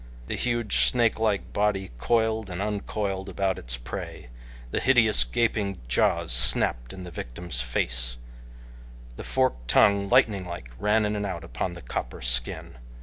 The huge, snakelike body coiled and uncoiled about its prey. The hideous, gaping jaws snapped in the victim's face. The forked tongue, lightning like, ran in and out upon the copper skin.